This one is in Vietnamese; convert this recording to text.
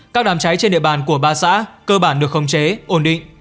các đám cháy trên địa bàn của ba xã cơ bản được khống chế ổn định